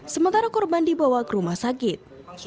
sementara korban dibawa ke rumah sakit